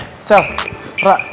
eh sel ra